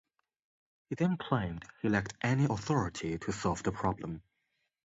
He then claimed he lacked any authority to solve the problem.